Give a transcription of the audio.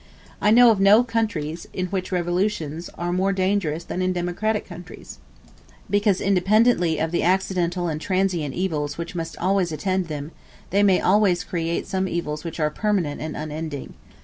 I know of no countries in which revolutions re more dangerous than in democratic countries; because, independently of the accidental and transient evils which must always attend them, they may always create some evils which are permanent and unending.